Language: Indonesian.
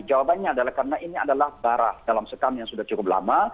jawabannya adalah karena ini adalah barah dalam sekam yang sudah cukup lama